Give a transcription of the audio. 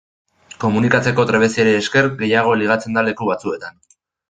Komunikatzeko trebeziari esker gehiago ligatzen da leku batzuetan.